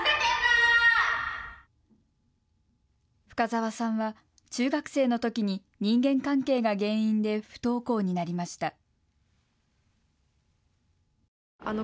深澤さんは中学生のときに人間関係が原因で不登校になりました。